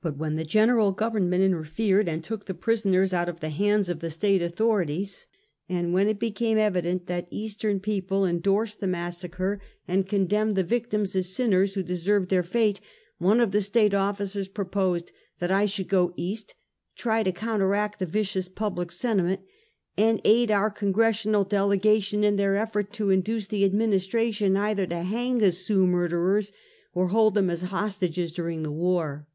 But when the genera} government interfered and took the prisoners out of the hands of the State authorities, and when it became evident that Eastern people endorsed the massacre and 234: Half a Centuet. condemmed the victims as sinners wlio deserved their fate, one of the State officers proposed that I should go East, try to counteract the vicious public sentiment, and aid our Congressional delegation in their efibrt to induce the Administration either to hang the Sioux murderers, or hold them as hostages during the war.